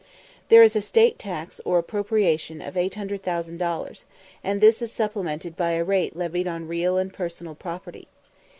There is a "state tax," or "appropriation," of 800,000 dollars, and this is supplemented by a rate levied on real and personal property.